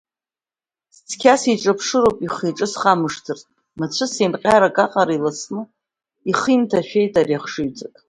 Цқьа сиҿаԥшыроуп ихы-иҿы схамшҭырц, мацәысеимҟьарак аҟара иласны ихы инҭашәеит ари ахшыҩҵак.